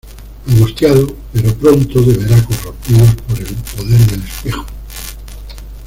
Angustiado, pero pronto deberá corrompidos por el poder del espejo.